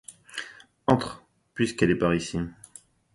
Entre, puisqu'elle est par ici!